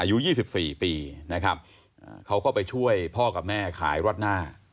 อายุ๒๔ปีนะครับเขาก็ไปช่วยพ่อกับแม่ขายรัดหน้า